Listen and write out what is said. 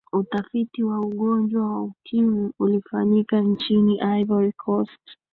utafiti wa ugonjwa wa ukimwi ulifanyika nchini ivory coast